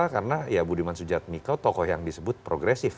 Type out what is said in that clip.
karena ya budiman sujad mikao tokoh yang disebut progresif